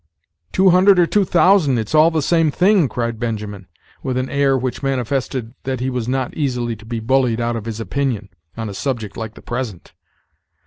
"Two hundred or two thousand, it's all the same thing," cried Benjamin, with an air which manifested that he was not easily to be bullied out of his opinion, on a subject like the present.